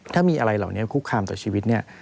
ถ้ามีอะไรเหล่านี้คุกคามต่อชีวิตเนี่ย